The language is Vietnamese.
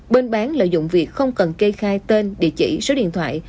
bên bán lợi dụng việc không cần kê khai tên địa chỉ số điện thoại